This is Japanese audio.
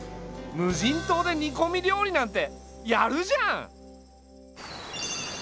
無人島で煮こみ料理なんてやるじゃん！